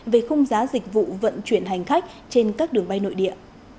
về khung giá dịch vụ vận chuyển hành khách trên các đường bay nội địa